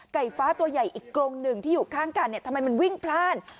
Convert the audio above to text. ฟ้าตัวใหญ่อีกกรงหนึ่งที่อยู่ข้างกันเนี่ยทำไมมันวิ่งพลาด